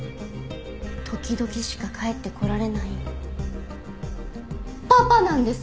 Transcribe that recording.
時々しか帰ってこられないパパなんです！